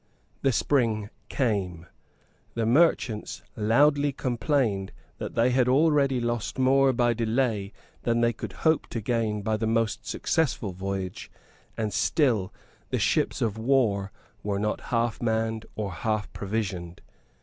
The spring came. The merchants loudly complained that they had already lost more by delay than they could hope to gain by the most successful voyage; and still the ships of war were not half manned or half provisioned.